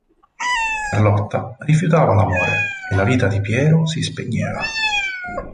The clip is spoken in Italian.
Carlotta rifiutava l'amore e la vita di Piero si spegneva.